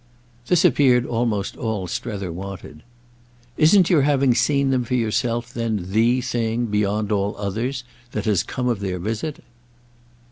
This appeared almost all Strether wanted. "Isn't your having seen them for yourself then the thing, beyond all others, that has come of their visit?"